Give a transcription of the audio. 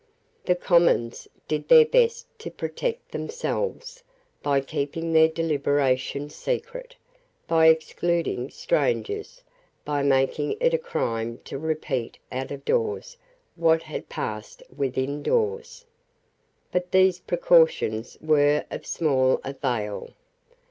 The Commons did their best to protect themselves by keeping their deliberations secret, by excluding strangers, by making it a crime to repeat out of doors what had passed within doors. But these precautions were of small avail.